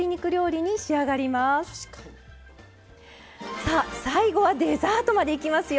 さあ最後はデザートまでいきますよ。